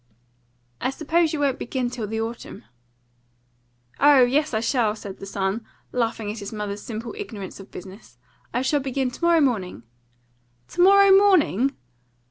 "I suppose you won't begin till the autumn." "Oh yes, I shall," said the son, laughing at his mother's simple ignorance of business. "I shall begin to morrow morning." "To morrow morning!"